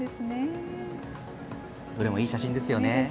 どれもいい写真ですよね。